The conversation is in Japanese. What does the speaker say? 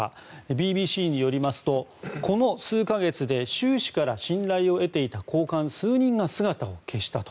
ＢＢＣによりますとこの数か月で習氏から信頼を得ていた高官数人が姿を消したと。